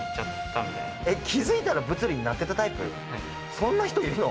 そんな人いるの？